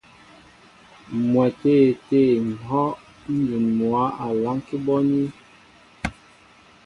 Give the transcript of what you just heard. M̀mwɛtê tê ŋ̀hɔ́ ǹjún mwǎ á láŋ bɔ́ anín.